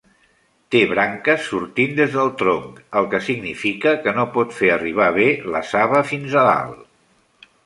Té branques sortint des del tronc, el que significa que no pot fer arribar bé la saba fins a dalt.